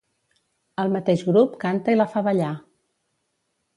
El mateix grup canta i la fa ballar.